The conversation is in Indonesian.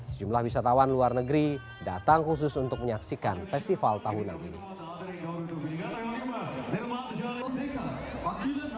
sejumlah wisatawan luar negeri datang khusus untuk menyaksikan festival tahunan ini